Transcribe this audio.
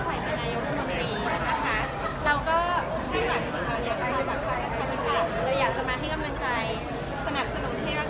ในเรื่องของประชาชนเป็นใหญ่ประชาธิปไตยสุจริง